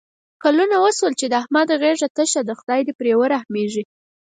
کلونه وشول چې د احمد غېږه تشه ده. خدای دې پرې ورحمېږي.